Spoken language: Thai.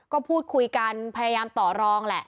ก็พูดคุยกันพยายามต่อรองแหละ